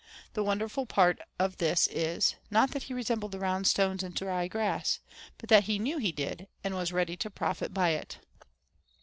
The wonderful part of this is, not that he resembled the round stones and dry grass, but that he knew he did, and was ready to profit by it.